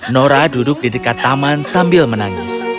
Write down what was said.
nora duduk di dekat taman sambil menangis